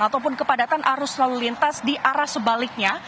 ataupun kepadatan arus lalu lintas di arah sebaliknya